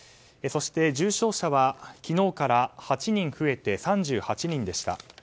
そして重症者は昨日から８人増えて３８人でした。